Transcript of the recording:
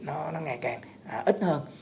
nó ngày càng ít hơn